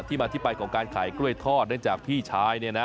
มาที่ไปของการขายกล้วยทอดเนื่องจากพี่ชายเนี่ยนะ